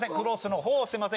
すいません